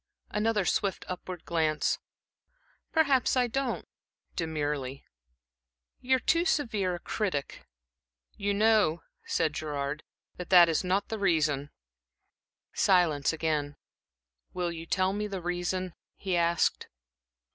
Another swift upward glance. "Perhaps I don't" demurely. "You're too severe a critic." "You know," said Gerard, "that that is not the reason." Silence again. "Will you tell me the reason?" he asked.